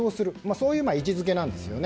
そういう位置づけなんですね。